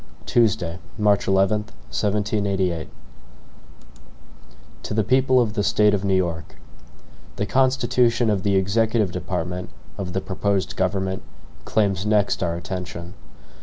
Tuesday, March 11, 1788. HAMILTON To the People of the State of New York: THE constitution of the executive department of the proposed government, claims next our attention.